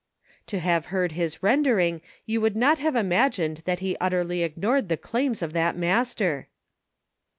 To have heard his rendering you would not have imagined that he utterly ignored the claims of that Master